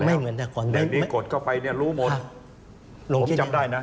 ไม่เหมือนแต่ก่อนแล้วดังนี้กดเข้าไปรู้หมดผมจำได้นะ